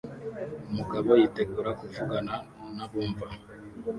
Umugabo yitegura kuvugana nabumva